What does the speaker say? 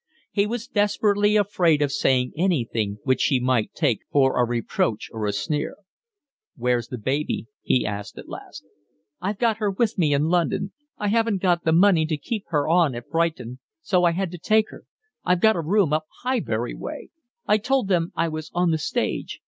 He was desperately afraid of saying anything which she might take for a reproach or a sneer. "Where's the baby?" he asked at last. "I've got her with me in London. I hadn't got the money to keep her on at Brighton, so I had to take her. I've got a room up Highbury way. I told them I was on the stage.